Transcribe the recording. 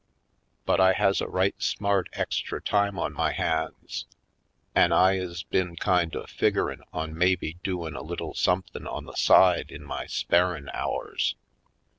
But I has a right smart ex tra time on my hands an' I is been kind of figgerin' on mebbe doin' a little somethin' on the side in my sparin' hours.